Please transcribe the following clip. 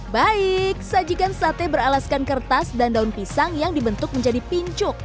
baik sajikan sate beralaskan kertas dan daun pisang yang dibentuk menjadi pincuk